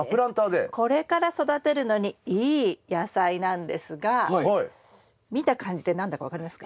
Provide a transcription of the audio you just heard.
これから育てるのにいい野菜なんですが見た感じで何だか分かりますか？